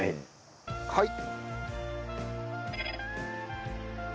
はい。